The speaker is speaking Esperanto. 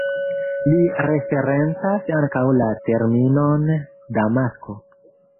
Li referencas ankaŭ la terminon damasko.